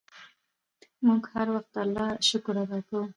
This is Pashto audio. موږ هر وخت د اللهﷻ شکر ادا کوو.